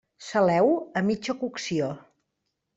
Saleu-ho a mitja cocció.